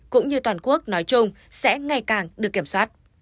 cũng như toàn quốc nói chung sẽ ngày càng được kiểm soát